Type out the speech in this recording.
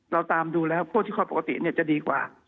เราตามดูแล้วพวกที่คอยปกติจะดีกว่า